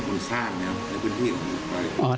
ในพื้นที่ของดอยขุนตาน